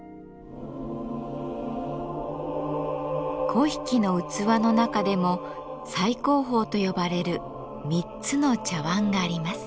粉引の器の中でも最高峰と呼ばれる３つの茶碗があります。